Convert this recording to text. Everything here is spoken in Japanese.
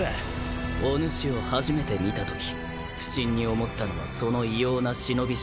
おぬしを初めて見たとき不審に思ったのはその異様な忍び装束。